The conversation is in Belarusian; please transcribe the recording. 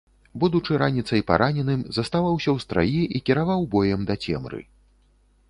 Будучы раніцай параненым, заставаўся ў страі і кіраваў боем да цемры.